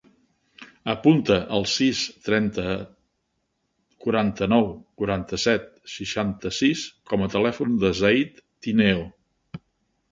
Apunta el sis, trenta, quaranta-nou, quaranta-set, seixanta-sis com a telèfon del Zaid Tineo.